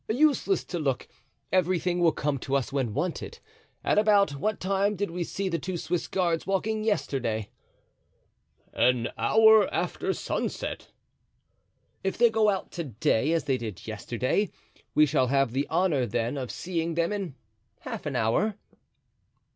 "Useless to look; everything will come to us when wanted. At about what time did we see the two Swiss guards walking yesterday?" "An hour after sunset." "If they go out to day as they did yesterday we shall have the honor, then, of seeing them in half an hour?"